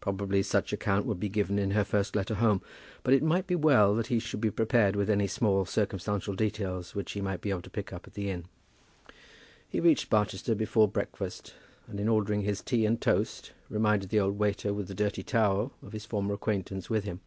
Probably such account would be given in her first letter home. But it might be well that he should be prepared with any small circumstantial details which he might be able to pick up at the inn. He reached Barchester before breakfast, and in ordering his tea and toast, reminded the old waiter with the dirty towel of his former acquaintance with him.